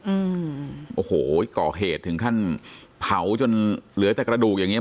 อืมโอ้โหก่อเหตุถึงขั้นเผาจนเหลือแต่กระดูกอย่างเงี